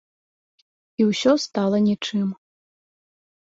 І ўсё стала нічым.